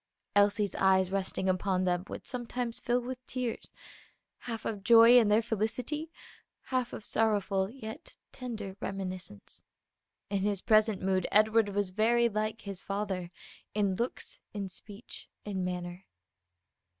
Elsie's eyes resting upon them would sometimes fill with tears half of joy in their felicity, half of sorrowful yet tender reminiscence. In his present mood Edward was very like his father in looks, in speech, in manner.